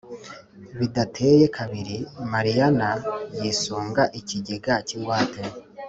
Bidateye kabiri Mariyana yisunga ikigega k’ingwate